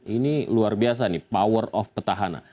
ini luar biasa nih power of petahana